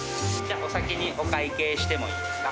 お先にお会計してもいいですか？